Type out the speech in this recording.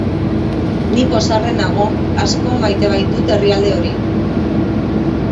Ni pozarren nago, asko maite baitut herrialde hori.